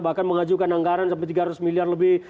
bahkan mengajukan anggaran sampai tiga ratus miliar lebih